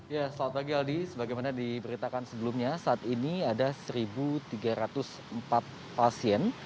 ya selamat pagi aldi sebagaimana diberitakan sebelumnya saat ini ada satu tiga ratus empat pasien